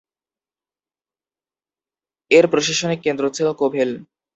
এর প্রশাসনিক কেন্দ্র ছিল কোভেল।